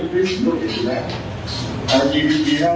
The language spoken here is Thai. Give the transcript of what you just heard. ที่จะทำให้ผลที่จะเผ่ยเข่า